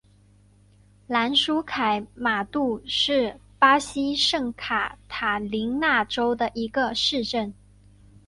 兰舒凯马杜是巴西圣卡塔琳娜州的一个市镇。